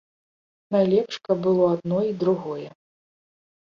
Найлепш, каб было адно і другое.